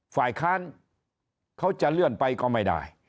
ฝ่ายค้านเขาจะเลื่อนไปก็ไม่ได้